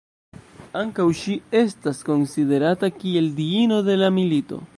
Ankaŭ ŝi estas konsiderata kiel diino de la milito.